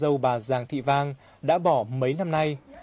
dâu bà giàng thị vang đã bỏ mấy năm nay